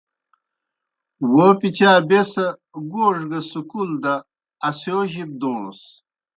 وو پِچا بیْس گوڙہ گہ سکول دہ اسِیو جِب دوݨَس۔